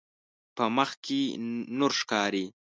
په مخ کې نور ښکاري.